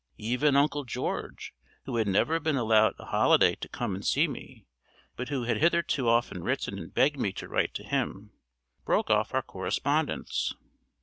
Even Uncle George, who had never been allowed a holiday to come and see me, but who had hitherto often written and begged me to write to him, broke off our correspondence.